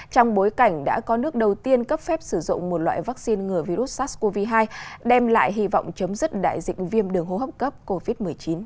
trong bối cảnh đã có nước đầu tiên cấp phép sử dụng một loại vaccine ngừa virus sars cov hai đem lại hy vọng chấm dứt đại dịch viêm đường hô hấp cấp covid một mươi chín